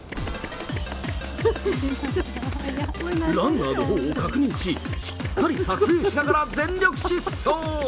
ランナーのほうを確認し、しっかり撮影しながら全力疾走。